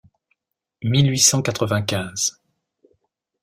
mille huit cent quatre-vingt-quinze.